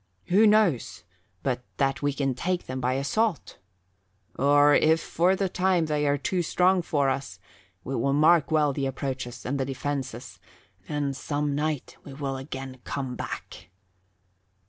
Who knows but that we can then take them by assault? Or if for the time they are too strong for us, we will mark well the approaches and the defenses, and some night we will again come back."